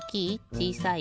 ちいさい？